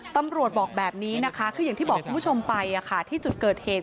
ตำรวจบอกแบบนี้นะคะคืออย่างที่บอกคุณผู้ชมไปที่จุดเกิดเหตุ